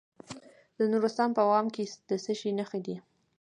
د نورستان په واما کې د څه شي نښې دي؟